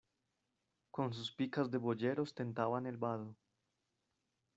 con sus picas de boyeros tentaban el vado.